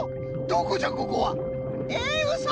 どこじゃここは！？えうそ！